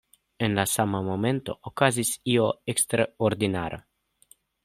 En la sama momento okazis io eksterordinara.